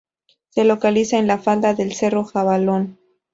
Se localiza en la falda del cerro Jabalón.